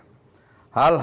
hal hal yang mengenal